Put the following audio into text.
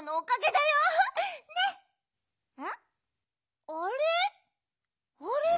あれ？